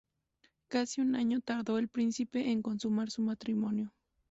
Casi un año tardó el Príncipe en consumar su matrimonio.